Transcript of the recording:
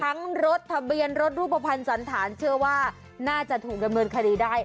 รถทะเบียนรถรูปภัณฑ์สันฐานเชื่อว่าน่าจะถูกดำเนินคดีได้